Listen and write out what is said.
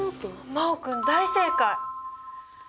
真旺君大正解！